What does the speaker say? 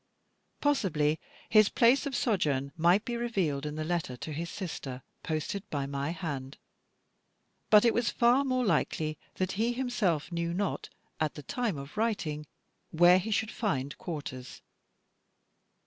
Possibly his place of sojourn might be revealed in the letter to his sister, posted by my hand: but it was far more likely that he himself knew not, at the time of writing, where he should find quarters.